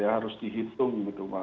harus dihitung gitu mas